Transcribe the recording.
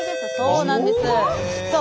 そうなんです。